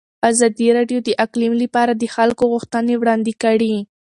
ازادي راډیو د اقلیم لپاره د خلکو غوښتنې وړاندې کړي.